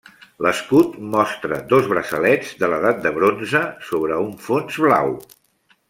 L'escut mostra dos braçalets de l'edat de bronze sobre un fons blau.